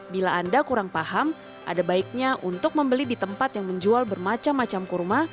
bila anda kurang paham ada baiknya untuk membeli di tempat yang menjual bermacam macam kurma